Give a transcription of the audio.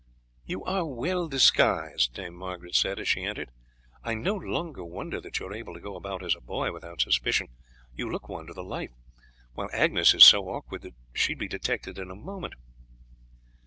"You are well disguised," the latter said as she entered. "I no longer wonder that you are able to go about as a boy without suspicion; you look one to the life, while Agnes is so awkward that she would be detected in a moment."